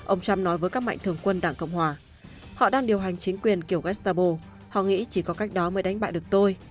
ông trump nói với các mạnh thường quân đảng cộng hòa họ đang điều hành chính quyền kiểu estabo họ nghĩ chỉ có cách đó mới đánh bại được tôi